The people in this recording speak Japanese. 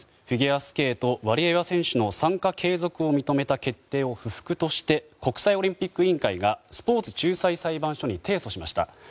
フィギュアスケートワリエワ選手の参加継続を認めた決定を不服として国際オリンピックがスポーツ仲裁裁判所へと提訴しました。